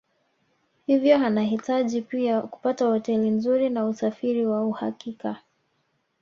Hivyo anahitaji pia kupata hoteli nzuri na usafiri wa uhakika